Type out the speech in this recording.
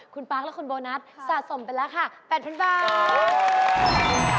คุณป๊าและคุณโบนัสสะสมเป็นราคา๘๐๐๐บาท